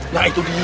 nah itu dia